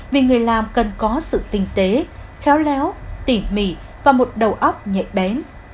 vì người làm cần có sự tinh tế khéo léo tỉ mỉ và một đầu óc nhạy bén